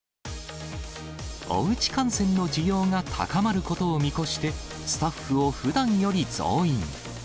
おうち観戦の需要が高まることを見越して、スタッフをふだんより増員。